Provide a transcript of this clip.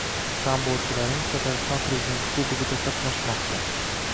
Sambochilarimiz Tatariston Prezidenti kubogida qatnashmoqda